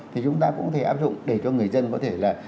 thì chúng ta cũng thể áp dụng để cho người dân có thể là